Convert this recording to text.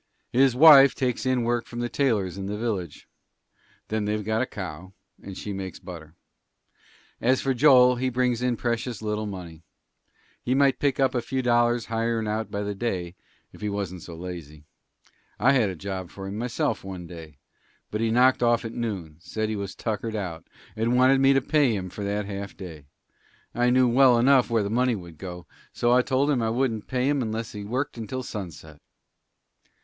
"His wife takes in work from the tailors in the the village. Then they've got a cow, and she makes butter. As for Joel, he brings in precious little money. He might pick up a few dollars hirin' out by the day, if he wasn't so lazy. I had a job for him myself one day, but he knocked off at noon said he was tuckered out, and wanted me to pay him for that half day. I knew well enough where the money would go, so I told him I wouldn't pay him unless he worked until sunset."